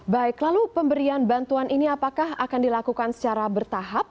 baik lalu pemberian bantuan ini apakah akan dilakukan secara bertahap